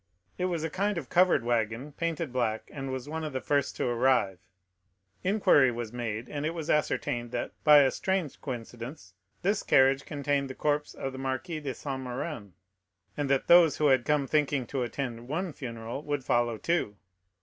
It was a kind of covered wagon, painted black, and was one of the first to arrive. Inquiry was made, and it was ascertained that, by a strange coincidence, this carriage contained the corpse of the Marquis de Saint Méran, and that those who had come thinking to attend one funeral would follow two.